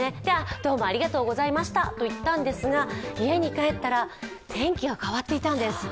どうもありがとうございましたと言ったんですが、家に帰ったら天気が変わっていたんです。